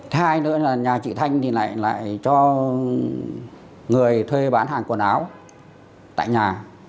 thế hai nữa là nhà chị thanh lại cho người thuê bán hàng quần áo tại nhà